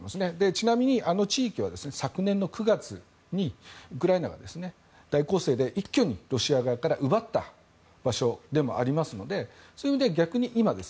ちなみにあの地域は昨年の９月にウクライナが大攻勢で一挙にロシア側から奪った場所でもありますのでそういう意味で逆に今。